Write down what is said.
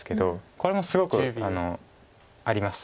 これもすごくあります。